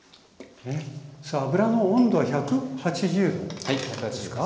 さあ油の温度は１８０℃ですか。